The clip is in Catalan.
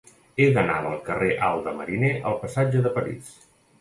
He d'anar del carrer Alt de Mariner al passatge de París.